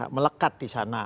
melekat di sana